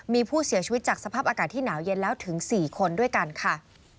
มีผู้เสียชีวิตจากสภาพอากาศที่หนาวเย็นแล้วถึง๔คนด้วยกันค่ะ